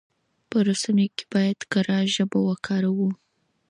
په رسنيو کې بايد کره ژبه وکاروو.